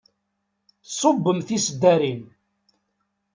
Tṣubbem tiseddarin.